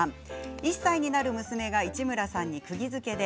１歳になる娘が市村さんにくぎづけです。